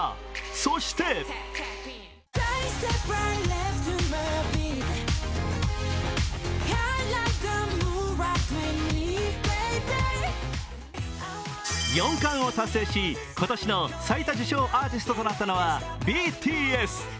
そして４冠を達成し今年の最多受賞アーティストとなったのはＢＴＳ。